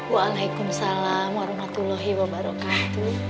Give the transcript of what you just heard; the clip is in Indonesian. waalaikumsalam warahmatullahi wabarakatuh